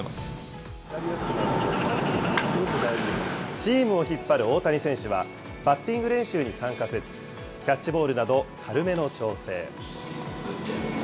チームを引っ張る大谷選手は、バッティング練習に参加せず、キャッチボールなど、軽めの調整。